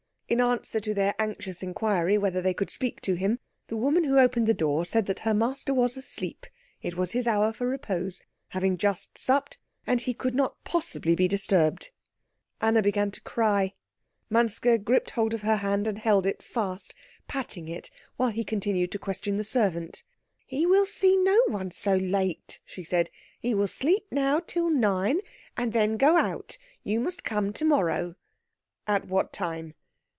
In answer to their anxious inquiry whether they could speak to him, the woman who opened the door said that her master was asleep; it was his hour for repose, having just supped, and he could not possibly be disturbed. Anna began to cry. Manske gripped hold of her hand and held it fast, patting it while he continued to question the servant. "He will see no one so late," she said. "He will sleep now till nine, and then go out. You must come to morrow." "At what time?"